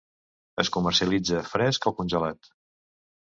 Es comercialitza fresc o congelat.